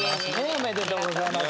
おめでとうございます。